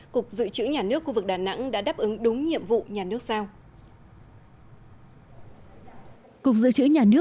cục dự trữ nhà nước khu vực đà nẵng đã đáp ứng đúng nhiệm vụ nhà nước sao